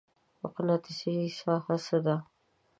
مقناطیسي ساحه څه ده؟